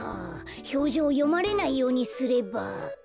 ひょうじょうをよまれないようにすれば。